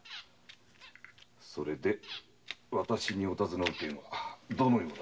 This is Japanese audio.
それで私にお尋ねの件はどのようなことです？